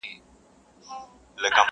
دا کيسه د فکر سيوری دی تل-